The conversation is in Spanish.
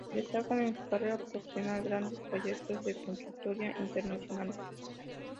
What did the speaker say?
Destacan en su carrera profesional grandes proyectos de consultoría internacionales.